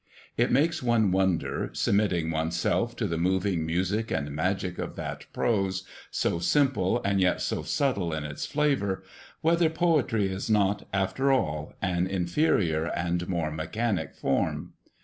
It makes one wonder, submitting one's self to the moving music and magic of that prose, so simple and yet so subtle in its flavor, whether poetry is not, after all, an inferior and more mechanic form.